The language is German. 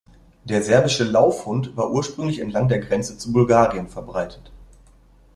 Der Serbische Laufhund war ursprünglich entlang der Grenze zu Bulgarien verbreitet.